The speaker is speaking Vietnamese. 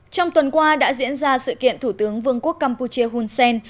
trong tuần qua đã diễn ra sự kiện thủ tướng vương quốc campuchia hun sen